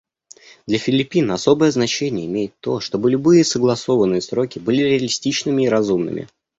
Для Филиппин особое значение имеет то, чтобы любые согласованные сроки были реалистичными и разумными.